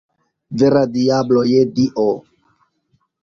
Vera diablo, je Dio!